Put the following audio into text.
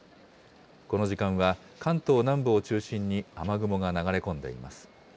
この時間は、関東南部を中心に雨雲が流れ込んでいます。